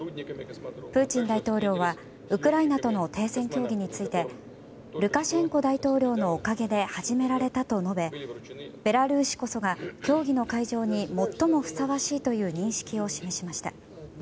プーチン大統領はウクライナとの停戦協議についてルカシェンコ大統領のおかげで始められたと述べベラルーシこそが協議の会場に最もふさわしいという認識を示しました。